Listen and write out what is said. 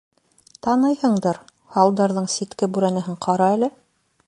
Таныйһыңдыр, һалдарҙың ситке бүрәнәһен ҡара әле...